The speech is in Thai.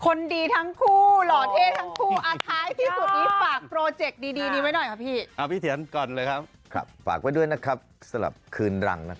คนดีทั้งคู่หล่อเท่ทั้งคู่อาท้ายที่สุดนี้